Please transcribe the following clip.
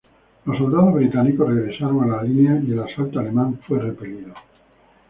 Los soldados británicos regresaron a la línea y el asalto alemán fue repelido.